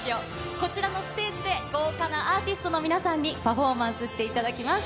こちらのステージで、豪華なアーティストの皆さんにパフォーマンスしていただきます。